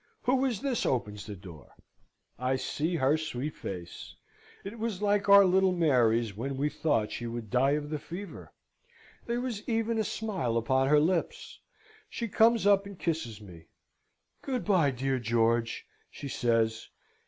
Who is this opens the door? I see her sweet face. It was like our little Mary's when we thought she would die of the fever. There was even a smile upon her lips. She comes up and kisses me. "Good bye, dear George!" she says.